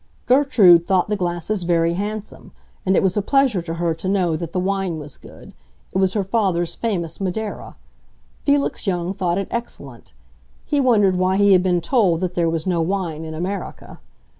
Gertrude thought the glasses very handsome, and it was a pleasure to her to know that the wine was good; it was her father's famous madeira. Felix Young thought it excellent; he wondered why he had been told that there was no wine in America.